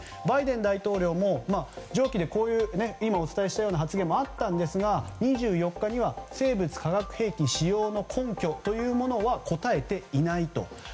バイデン大統領も今お伝えしたような発言もあったんですが、２４日には生物・化学兵器使用の根拠は答えていないと。